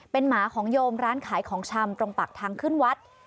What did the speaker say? เป็นหมาของโยมร้านขายของชำตรงปากทางขึ้นวัด